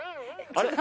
あれ？